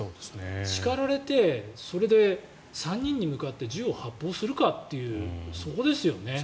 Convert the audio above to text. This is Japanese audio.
叱られてそれで、３人に向かって銃を発砲するかというそこですよね。